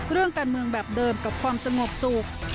เรื่องการเมืองแบบเดิมกับความสงบสุข